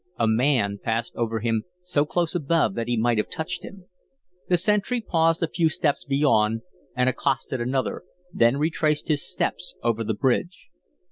A man passed over him so close above that he might have touched him. The sentry paused a few paces beyond and accosted another, then retraced his steps over the bridge.